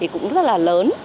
cũng rất là lớn